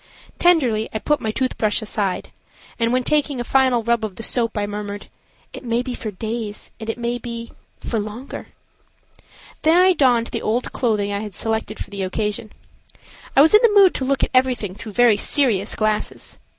Tenderly I put my tooth brush aside, and, when taking a final rub of the soap, I murmured, "It may be for days, and it may be–for longer." Then I donned the old clothing I had selected for the occasion. I was in the mood to look at everything through very serious glasses.